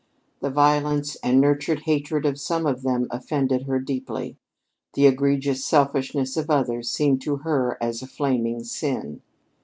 The violence and nurtured hatred of some of them offended her deeply; the egregious selfishness of others seemed to her as a flaming sin.